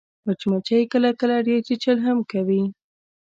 مچمچۍ کله کله ډېر چیچل هم کوي